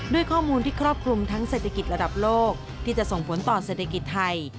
ด้วยข้อมูลที่ครอบคลุมทั้งเศรษฐกิจระดับโลกที่จะส่งผลต่อเศรษฐกิจไทย